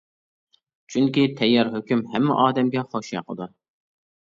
چۈنكى تەييار ھۆكۈم ھەممە ئادەمگە خوش ياقىدۇ.